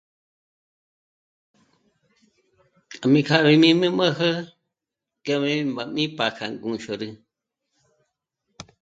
Mí kjâ rá rí m'äjm'ä m'ája ngé 'ó 'é'e mí p'á m'á 'ǜndzhǒrí